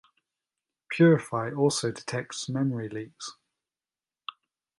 Purify also detects memory leaks.